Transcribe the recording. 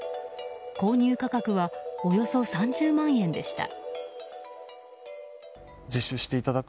購入価格はおよそ３０万円でした。